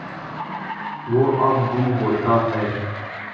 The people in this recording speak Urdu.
وہ اب بھی ہوتا ہے۔